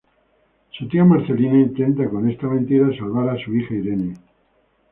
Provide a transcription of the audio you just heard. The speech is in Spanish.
Su tía Marcelina intenta con esta mentira salvar a su hija Irene.